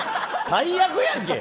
最悪やんけ！